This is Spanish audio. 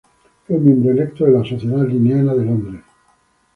Fue miembro electo de la Sociedad linneana de Londres